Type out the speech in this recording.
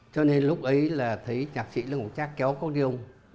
cho nên lúc ấy là thấy nhạc sĩ là một cha kéo có điêu